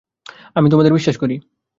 আমি তোমাদের বিশ্বাস করি।